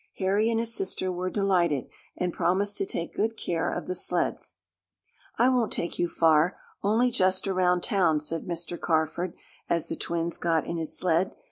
Harry and his sister were delighted, and promised to take good care of the sleds. "I won't take you far only just around town," said Mr. Carford, as the twins got in his sled.